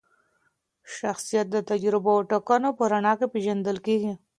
شخصیت د تجربو او ټاکنو په رڼا کي پیژندل کیږي.